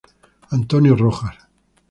Antonio Rojas.